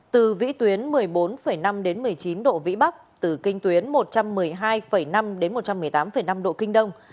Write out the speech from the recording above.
từ vĩ tuyến một mươi bốn năm đến một mươi chín độ vĩ bắc từ kinh tuyến một trăm một mươi hai năm đến một trăm một mươi tám năm độ kinh đông